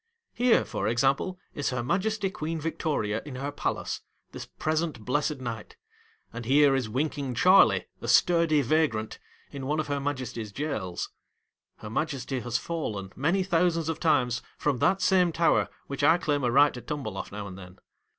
Here, for example, is Her Majesty Queen Victoria in her palace this present blessed night, and here is Winking Charley, a sturdy vagrant, in one of Her Majesty's jails. Her Majesty has fallen, many thousands of times, from that same Tower, which 1 claim a right to tumble off now and then.